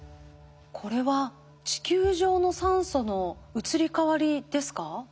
これは地球上の酸素の移り変わりですか？